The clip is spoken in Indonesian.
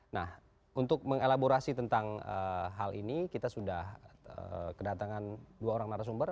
nah untuk mengelaborasi tentang hal ini kita sudah kedatangan dua orang narasumber